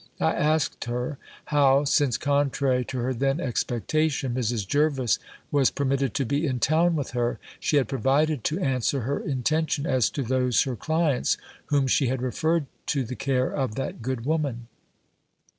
I asked her, how (since, contrary to her then expectation, Mrs. Jervis was permitted to be in town with her) she had provided to answer her intention as to those her clients, whom she had referred to the care of that good woman?